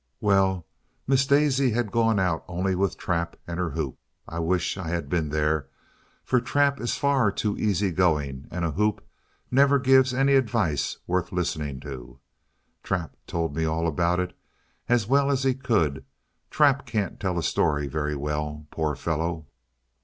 Well, Miss Daisy had gone out with only Trap and her hoop. I wish I had been there, for Trap is far too easy going, and a hoop never gives any advice worth listening to. Trap told me all about it as well as he could. Trap can't tell a story very well, poor fellow!